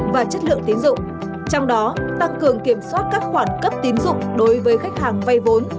và chất lượng tiến dụng trong đó tăng cường kiểm soát các khoản cấp tín dụng đối với khách hàng vay vốn